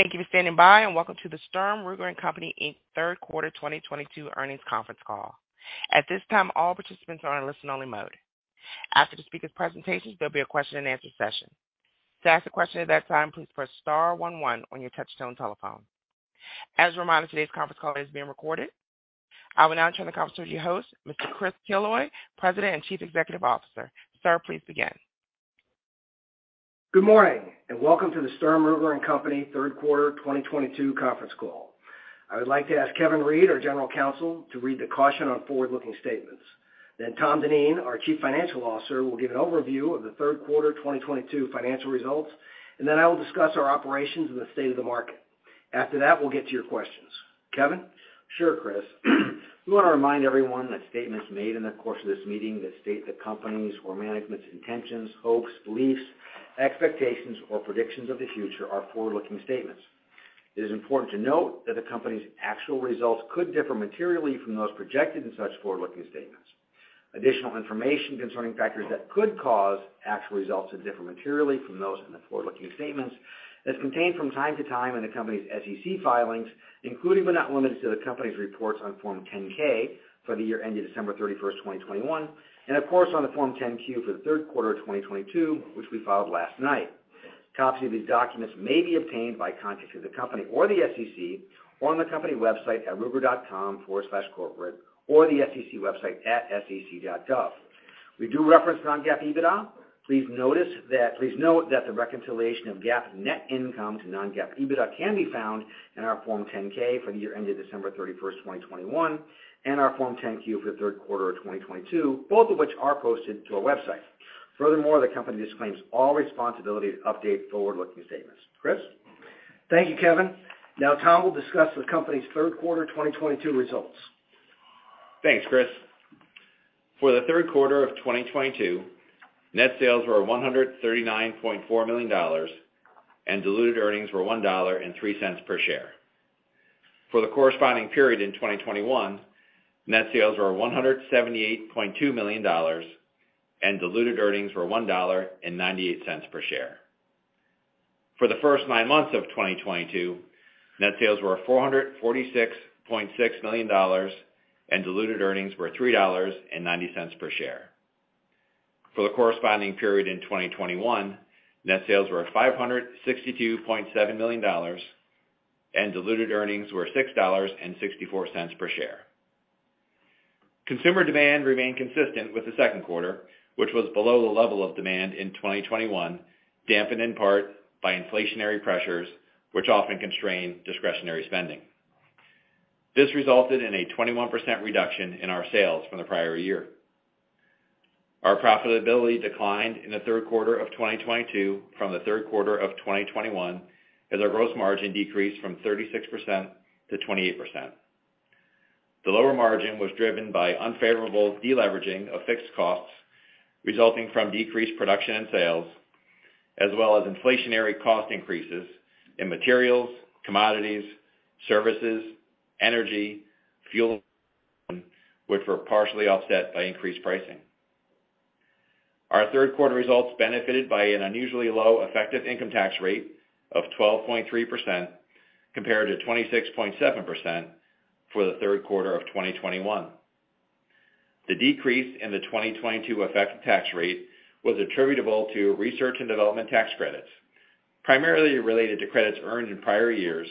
Thank you for standing by, and welcome to the Sturm, Ruger & Company, Inc. third quarter 2022 earnings conference call. At this time, all participants are in listen-only mode. After the speaker's presentation, there'll be a question-and-answer session. To ask a question at that time, please press star one one on your touchtone telephone. As a reminder, today's conference call is being recorded. I will now turn the conference to your host, Mr. Chris Killoy, President and Chief Executive Officer. Sir, please begin. Good morning, and welcome to the Sturm, Ruger & Company third quarter 2022 conference call. I would like to ask Kevin Reid, our General Counsel, to read the caution on forward-looking statements. Then Tom Dineen, our Chief Financial Officer, will give an overview of the third quarter 2022 financial results, and then I will discuss our operations and the state of the market. After that, we'll get to your questions. Kevin? Sure, Chris. We wanna remind everyone that statements made in the course of this meeting that state the company's or management's intentions, hopes, beliefs, expectations, or predictions of the future are forward-looking statements. It is important to note that the company's actual results could differ materially from those projected in such forward-looking statements. Additional information concerning factors that could cause actual results to differ materially from those in the forward-looking statements is contained from time to time in the company's SEC filings, including but not limited to the company's reports on Form 10-K for the year ended December 31st, 2021, and of course, on the Form 10-Q for the third quarter of 2022, which we filed last night. Copies of these documents may be obtained by contacting the company or the SEC, or on the company website at ruger.com/corporate, or the SEC website at sec.gov. We do reference non-GAAP EBITDA. Please note that the reconciliation of GAAP net income to non-GAAP EBITDA can be found in our Form 10-K for the year ended December 31st, 2021, and our Form 10-Q for the third quarter of 2022, both of which are posted to our website. Furthermore, the company disclaims all responsibility to update forward-looking statements. Chris? Thank you, Kevin. Now Tom will discuss the company's third quarter 2022 results. Thanks, Chris. For the third quarter of 2022, net sales were $139.4 million, and diluted earnings were $1.03 per share. For the corresponding period in 2021, net sales were $178.2 million, and diluted earnings were $1.98 per share. For the first nine months of 2022, net sales were $446.6 million, and diluted earnings were $3.90 per share. For the corresponding period in 2021, net sales were $562.7 million, and diluted earnings were $6.64 per share. Consumer demand remained consistent with the second quarter, which was below the level of demand in 2021, dampened in part by inflationary pressures, which often constrain discretionary spending. This resulted in a 21% reduction in our sales from the prior year. Our profitability declined in the third quarter of 2022 from the third quarter of 2021, as our gross margin decreased from 36% to 28%. The lower margin was driven by unfavorable deleveraging of fixed costs resulting from decreased production and sales, as well as inflationary cost increases in materials, commodities, services, energy, fuel, which were partially offset by increased pricing. Our third quarter results benefited by an unusually low effective income tax rate of 12.3% compared to 26.7% for the third quarter of 2021. The decrease in the 2022 effective tax rate was attributable to research and development tax credits, primarily related to credits earned in prior years,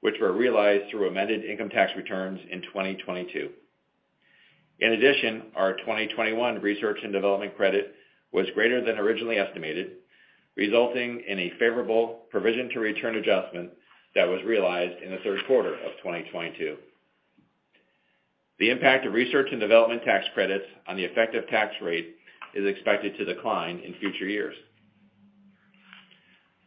which were realized through amended income tax returns in 2022. In addition, our 2021 research and development credit was greater than originally estimated, resulting in a favorable provision to return adjustment that was realized in the third quarter of 2022. The impact of research and development tax credits on the effective tax rate is expected to decline in future years.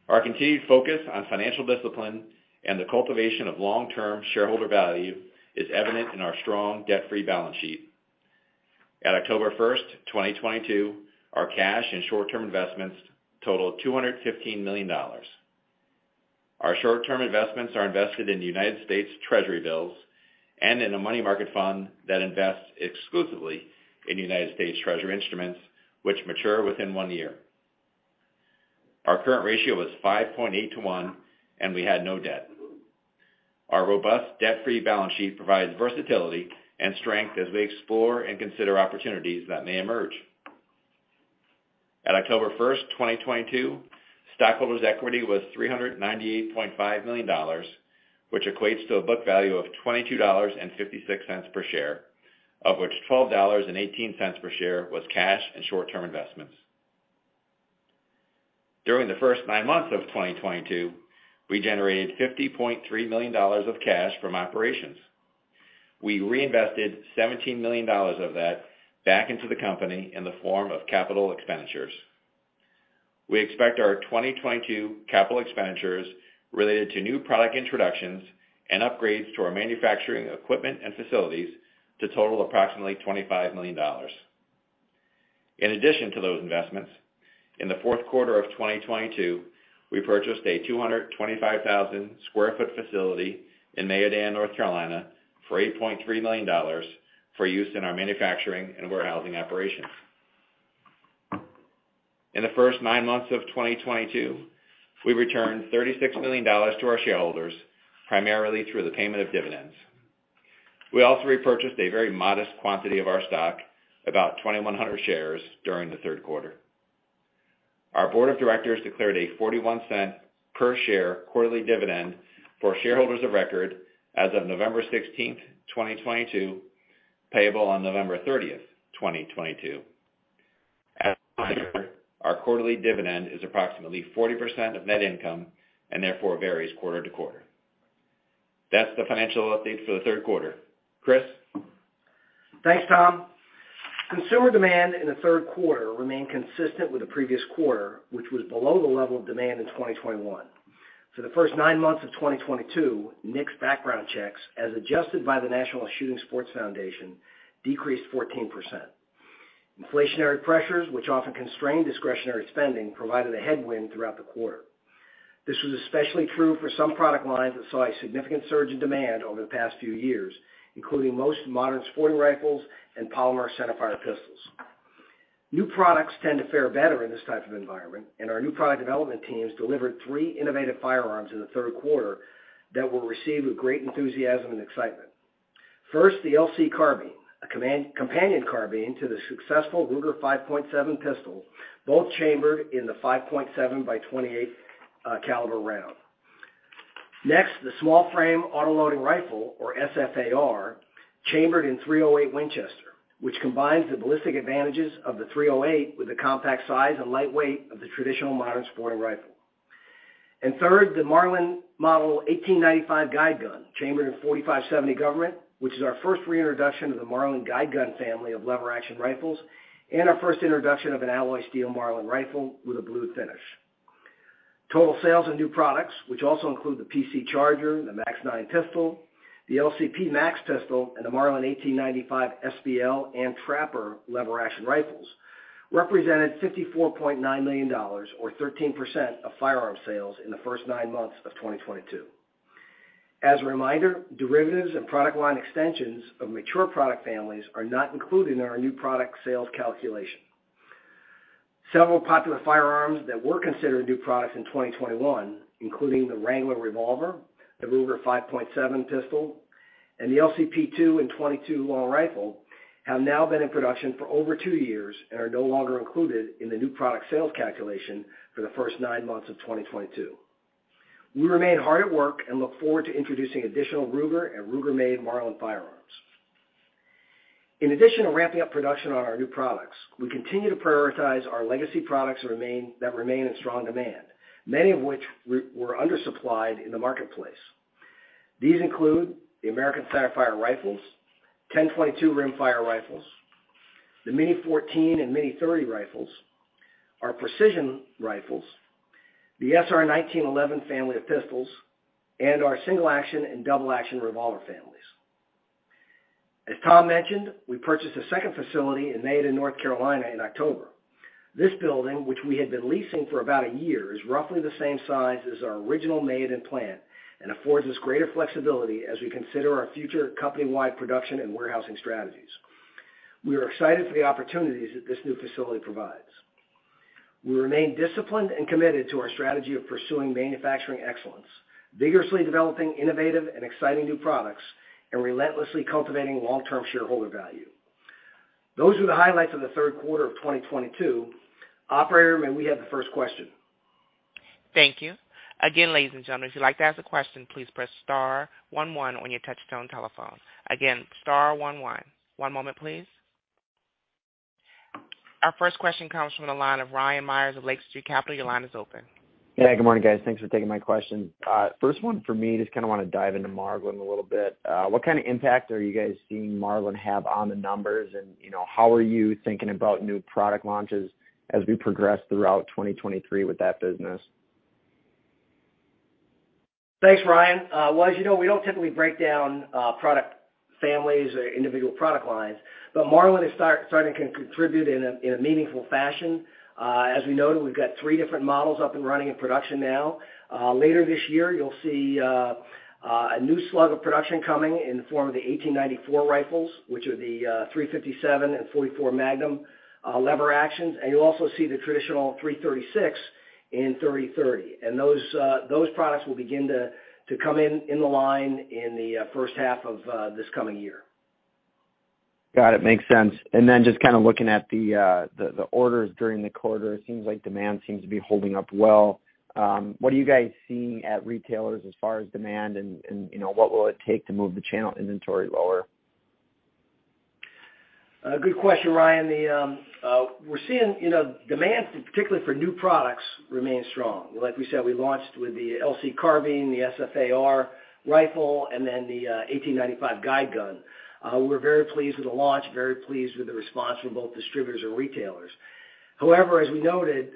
Our continued focus on financial discipline and the cultivation of long-term shareholder value is evident in our strong debt-free balance sheet. At October 1st, 2022, our cash and short-term investments totaled $215 million. Our short-term investments are invested in United States Treasury bills and in a money market fund that invests exclusively in United States Treasury instruments which mature within one year. Our current ratio was 5.8:1, and we had no debt. Our robust debt-free balance sheet provides versatility and strength as we explore and consider opportunities that may emerge. At October 1st, 2022, stockholders' equity was $398.5 million, which equates to a book value of $22.56 per share, of which $12.18 per share was cash and short-term investments. During the first nine months of 2022, we generated $50.3 million of cash from operations. We reinvested $17 million of that back into the company in the form of capital expenditures. We expect our 2022 capital expenditures related to new product introductions and upgrades to our manufacturing equipment and facilities to total approximately $25 million. In addition to those investments, in the fourth quarter of 2022, we purchased a 225,000 sq ft facility in Mayodan, North Carolina, for $8.3 million for use in our manufacturing and warehousing operations. In the first nine months of 2022, we returned $36 million to our shareholders, primarily through the payment of dividends. We also repurchased a very modest quantity of our stock, about 2,100 shares during the third quarter. Our board of directors declared a $0.41 per share quarterly dividend for shareholders of record as of November 16th, 2022, payable on November 30th, 2022. As a reminder, our quarterly dividend is approximately 40% of net income and therefore varies quarter to quarter. That's the financial update for the third quarter. Chris? Thanks, Tom. Consumer demand in the third quarter remained consistent with the previous quarter, which was below the level of demand in 2021. For the first nine months of 2022, NICS background checks, as adjusted by the National Shooting Sports Foundation, decreased 14%. Inflationary pressures, which often constrain discretionary spending, provided a headwind throughout the quarter. This was especially true for some product lines that saw a significant surge in demand over the past few years, including most modern sporting rifles and polymer centerfire pistols. New products tend to fare better in this type of environment, and our new product development teams delivered three innovative firearms in the third quarter that were received with great enthusiasm and excitement. First, the LC Carbine, a companion carbine to the successful Ruger-5.7 pistol, both chambered in the 5.7x28 caliber round. Next, the Small-Frame Autoloading Rifle, or SFAR, chambered in .308 Winchester, which combines the ballistic advantages of the .308 with the compact size and lightweight of the traditional modern sporting rifle. Third, the Marlin Model 1895 Guide Gun, chambered in .45-70 Government, which is our first reintroduction of the Marlin Guide Gun family of lever action rifles and our first introduction of an alloy steel Marlin rifle with a blue finish. Total sales in new products, which also include the PC Charger, the MAX-9 pistol, the LCP MAX pistol, and the Marlin 1895 SBL and Trapper lever action rifles, represented $54.9 million or 13% of firearm sales in the first nine months of 2022. As a reminder, derivatives and product line extensions of mature product families are not included in our new product sales calculation. Several popular firearms that were considered new products in 2021, including the Wrangler Revolver, the Ruger-5.7 pistol, and the LCP II in .22 Long Rifle, have now been in production for over two years and are no longer included in the new product sales calculation for the first nine months of 2022. We remain hard at work and look forward to introducing additional Ruger and Ruger-made Marlin firearms. In addition to ramping up production on our new products, we continue to prioritize our legacy products that remain in strong demand, many of which were undersupplied in the marketplace. These include the American centerfire rifles, 10/22 rimfire rifles, the Mini-14 and Mini-30 rifles, our precision rifles, the SR1911 family of pistols, and our single action and double action revolver families. As Tom mentioned, we purchased a second facility in Maiden, North Carolina in October. This building, which we had been leasing for about a year, is roughly the same size as our original Maiden plant and affords us greater flexibility as we consider our future company-wide production and warehousing strategies. We are excited for the opportunities that this new facility provides. We remain disciplined and committed to our strategy of pursuing manufacturing excellence, vigorously developing innovative and exciting new products, and relentlessly cultivating long-term shareholder value. Those are the highlights of the third quarter of 2022. Operator, may we have the first question? Thank you. Again, ladies and gentlemen, if you'd like to ask a question, please press star one one on your touchtone telephone. Again, star one one. One moment please. Our first question comes from the line of Ryan Meyers of Lake Street Capital. Your line is open. Yeah, good morning, guys. Thanks for taking my question. First one for me, just kinda wanna dive into Marlin a little bit. What kind of impact are you guys seeing Marlin have on the numbers? You know, how are you thinking about new product launches as we progress throughout 2023 with that business? Thanks, Ryan. Well, as you know, we don't typically break down product families or individual product lines, but Marlin is starting to contribute in a meaningful fashion. As we noted, we've got three different models up and running in production now. Later this year, you'll see a new slug of production coming in the form of the Model 1894 rifles, which are the .357 and .44 Magnum lever actions. You'll also see the traditional Model 336 and .30-30. Those products will begin to come online in the first half of this coming year. Got it. Makes sense. Just kinda looking at the orders during the quarter, it seems like demand seems to be holding up well. What are you guys seeing at retailers as far as demand and, you know, what will it take to move the channel inventory lower? A good question, Ryan. We're seeing, you know, demand, particularly for new products, remain strong. Like we said, we launched with the LC Carbine, the SFAR rifle, and then the 1895 Guide Gun. We're very pleased with the launch, very pleased with the response from both distributors and retailers. However, as we noted,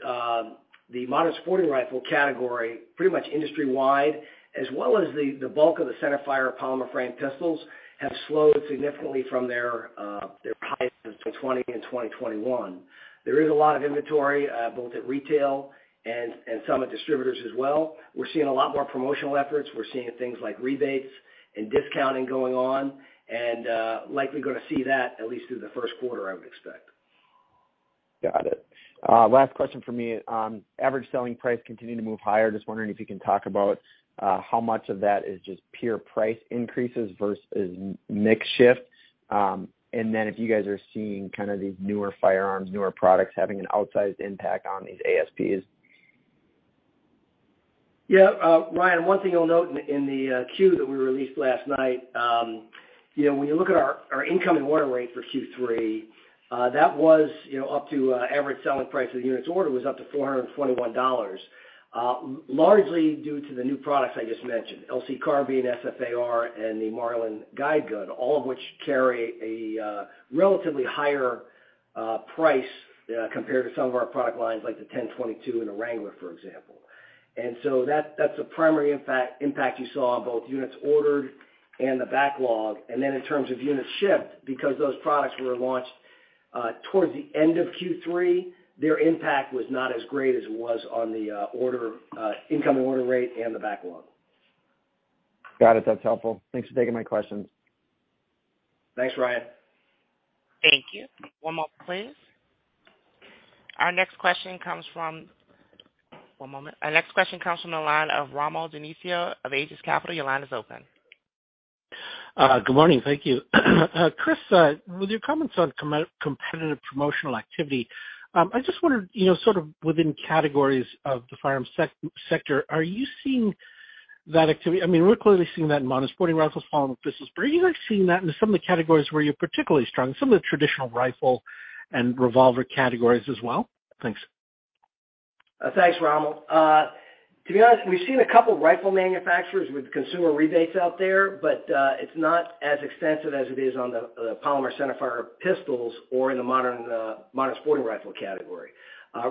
the modern sporting rifle category, pretty much industry-wide, as well as the bulk of the centerfire polymer framed pistols, have slowed significantly from their highs of 2020 and 2021. There is a lot of inventory, both at retail and some at distributors as well. We're seeing a lot more promotional efforts. We're seeing things like rebates and discounting going on and likely gonna see that at least through the first quarter, I would expect. Got it. Last question for me. Average selling price continuing to move higher. Just wondering if you can talk about how much of that is just pure price increases versus mix shifts. And then if you guys are seeing kinda these newer firearms, newer products having an outsized impact on these ASPs. Ryan, one thing you'll note in the 10-Q that we released last night, you know, when you look at our incoming order rate for Q3, that was up to average selling price of the units order was up to $421, largely due to the new products I just mentioned, LC Carbine, SFAR, and the Marlin Guide Gun, all of which carry a relatively higher price compared to some of our product lines, like the 10/22 and the Wrangler, for example. That's the primary impact you saw on both units ordered and the backlog.In terms of units shipped, because those products were launched towards the end of Q3, their impact was not as great as it was on the incoming order rate and the backlog. Got it. That's helpful. Thanks for taking my questions. Thanks, Ryan. Thank you. One moment, please. One moment. Our next question comes from the line of Rommel Dionisio of Aegis Capital. Your line is open. Good morning. Thank you. Chris, with your comments on competitive promotional activity, I just wondered, you know, sort of within categories of the firearm sector, are you seeing that activity? I mean, we're clearly seeing that in modern sporting rifles, full-size pistols, but are you, like, seeing that in some of the categories where you're particularly strong, some of the traditional rifle and revolver categories as well? Thanks. Thanks, Rommel. To be honest, we've seen a couple rifle manufacturers with consumer rebates out there, but it's not as extensive as it is on the polymer centerfire pistols or in the modern sporting rifle category.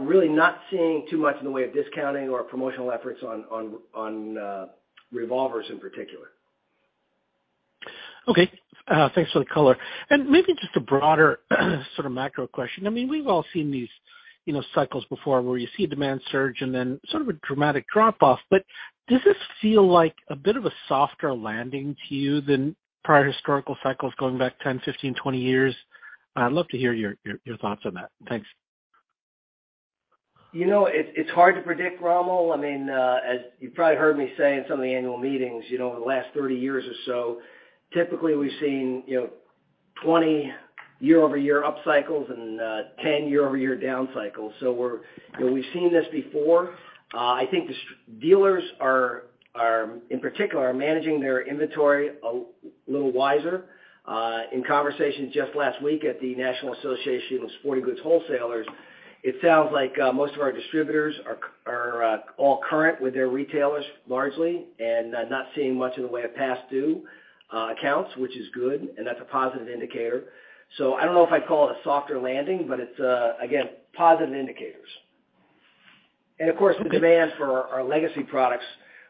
Really not seeing too much in the way of discounting or promotional efforts on revolvers in particular. Okay. Thanks for the color. Maybe just a broader sort of macro question. I mean, we've all seen these, you know, cycles before where you see a demand surge and then sort of a dramatic drop-off. Does this feel like a bit of a softer landing to you than prior historical cycles going back 10, 15, 20 years? I'd love to hear your thoughts on that. Thanks. It's hard to predict, Rommel. I mean, as you probably heard me say in some of the annual meetings, you know, over the last 30 years or so, typically we've seen, you know, 20 year-over-year up cycles and 10 year-over-year down cycles. You know, we've seen this before. I think the dealers are, in particular, managing their inventory a little wiser. In conversations just last week at the National Association of Sporting Goods Wholesalers, it sounds like most of our distributors are all current with their retailers largely, and not seeing much in the way of past due accounts, which is good, and that's a positive indicator. I don't know if I'd call it a softer landing, but it's again, positive indicators. Of course, the demand for our legacy products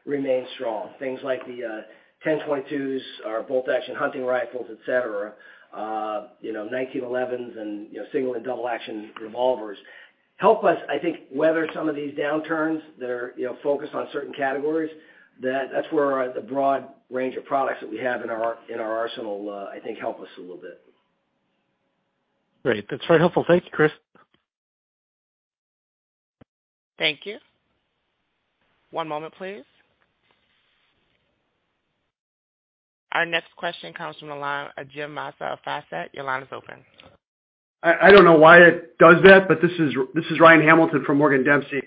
remains strong. Things like the 10/22s, our bolt action hunting rifles, et cetera, you know, 1911s and, you know, single- and double-action revolvers help us, I think, weather some of these downturns that are, you know, focused on certain categories. That's where our the broad range of products that we have in our arsenal, I think, help us a little bit. Great. That's very helpful. Thank you, Chris. Thank you. One moment, please. Our next question comes from the line of Mark Smith of Lake Street Capital Markets. Your line is open. I don't know why it does that, but this is Ryan Hamilton from Morgan Dempsey.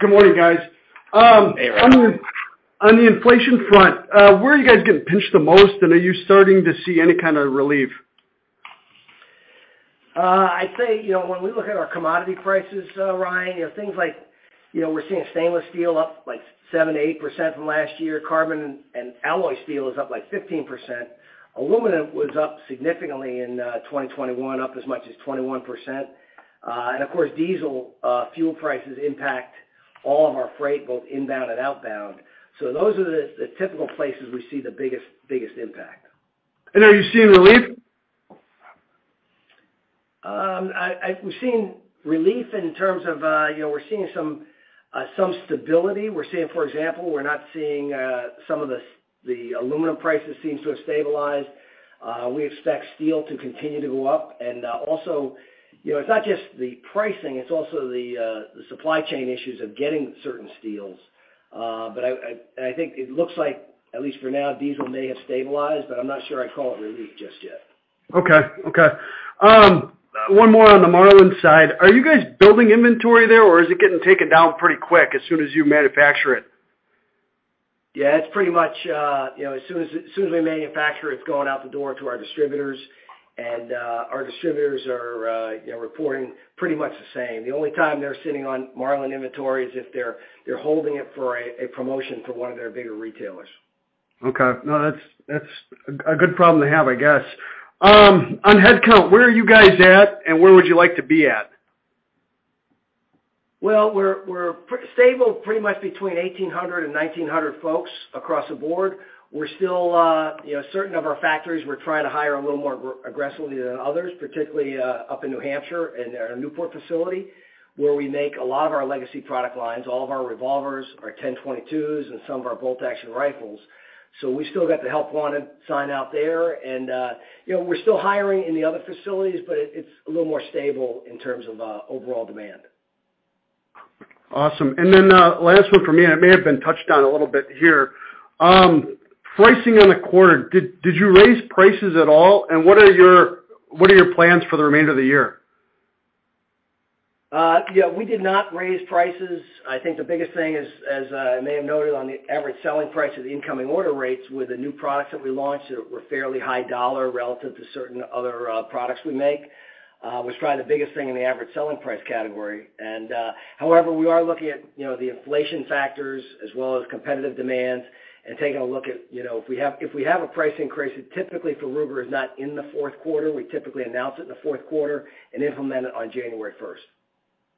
Good morning, guys. Hey, Ryan. On the inflation front, where are you guys getting pinched the most, and are you starting to see any kind of relief? I'd say, you know, when we look at our commodity prices, Ryan, you know, things like, you know, we're seeing stainless steel up, like, 7%-8% from last year. Carbon and alloy steel is up, like, 15%. Aluminum was up significantly in 2021, up as much as 21%. And of course, diesel fuel prices impact all of our freight, both inbound and outbound. Those are the typical places we see the biggest impact. Are you seeing relief? We're seeing relief in terms of, you know, we're seeing some stability. We're seeing, for example, the aluminum prices seem to have stabilized. We expect steel to continue to go up. Also, you know, it's not just the pricing, it's also the supply chain issues of getting certain steels. I think it looks like, at least for now, diesel may have stabilized, but I'm not sure I'd call it relief just yet. Okay, one more on the Marlin side. Are you guys building inventory there, or is it getting taken down pretty quick as soon as you manufacture it? Yeah. It's pretty much, you know, as soon as we manufacture, it's going out the door to our distributors. Our distributors are, you know, reporting pretty much the same. The only time they're sitting on Marlin inventory is if they're holding it for a promotion for one of their bigger retailers. Okay. No, that's a good problem to have, I guess. On headcount, where are you guys at, and where would you like to be at? Well, we're stable pretty much between 1,800 and 1,900 folks across the board. We're still, you know, certain of our factories we're trying to hire a little more aggressively than others, particularly up in New Hampshire and at our Newport facility. Where we make a lot of our legacy product lines, all of our revolvers, our 10/22s, and some of our bolt action rifles. We still got the help wanted sign out there and, you know, we're still hiring in the other facilities, but it's a little more stable in terms of overall demand. Awesome. Last one for me, and it may have been touched on a little bit here. Pricing on the quarter, did you raise prices at all? What are your plans for the remainder of the year? Yeah, we did not raise prices. I think the biggest thing is, as I may have noted on the average selling price of the incoming order rates with the new products that we launched that were fairly high dollar relative to certain other products we make, was probably the biggest thing in the average selling price category. However, we are looking at, you know, the inflation factors as well as competitive demands and taking a look at, you know, if we have a price increase, it typically for Ruger is not in the fourth quarter. We typically announce it in the fourth quarter and implement it on January first.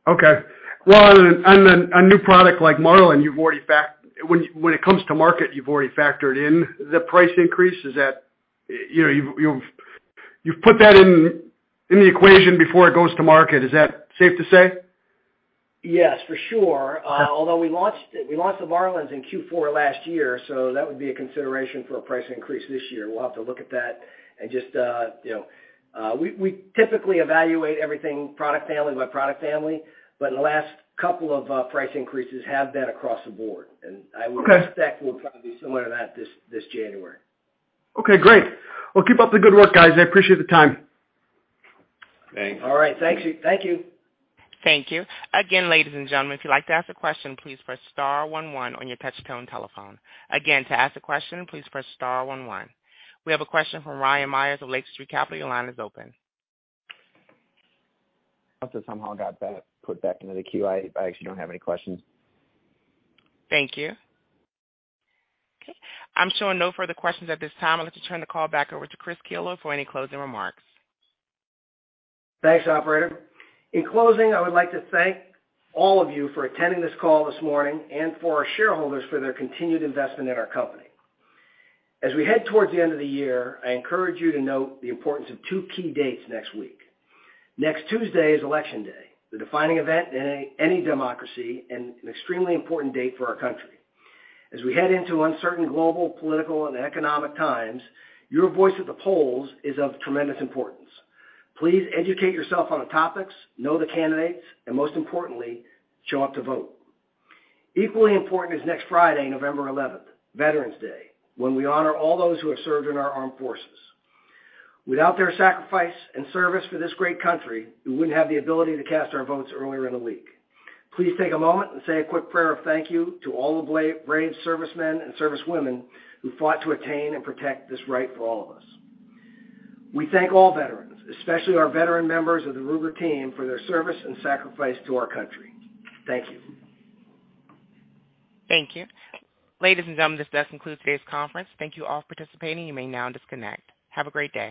Okay. Well, on a new product like Marlin, when it comes to market, you've already factored in the price increase. Is that, you know, you've put that in the equation before it goes to market. Is that safe to say? Yes, for sure. Although we launched the Marlins in Q4 last year, so that would be a consideration for a price increase this year. We'll have to look at that and just, you know, we typically evaluate everything product family by product family, but in the last couple of price increases have been across the board. Okay. I would expect we'll probably be similar to that this January. Okay, great. Well, keep up the good work, guys. I appreciate the time. Thanks. All right. Thank you, thank you. Thank you. Again, ladies and gentlemen, if you'd like to ask a question, please press star one one on your touchtone telephone. Again, to ask a question, please press star one one. We have a question from Ryan Meyers of Lake Street Capital. Your line is open. After somehow got back, put back into the queue, I actually don't have any questions. Thank you. Okay, I'm showing no further questions at this time. I'd like to turn the call back over to Chris Killoy for any closing remarks. Thanks, operator. In closing, I would like to thank all of you for attending this call this morning and for our shareholders for their continued investment in our company. As we head towards the end of the year, I encourage you to note the importance of two key dates next week. Next Tuesday is Election Day, the defining event in any democracy and an extremely important date for our country. As we head into uncertain global, political and economic times, your voice at the polls is of tremendous importance. Please educate yourself on the topics, know the candidates, and most importantly, show up to vote. Equally important is next Friday, November eleventh, Veterans Day, when we honor all those who have served in our Armed Forces. Without their sacrifice and service for this great country, we wouldn't have the ability to cast our votes earlier in the week. Please take a moment and say a quick prayer of thank you to all the brave servicemen and servicewomen who fought to attain and protect this right for all of us. We thank all veterans, especially our veteran members of the Ruger team, for their service and sacrifice to our country. Thank you. Thank you. Ladies and gentlemen, this does conclude today's conference. Thank you all for participating. You may now disconnect. Have a great day.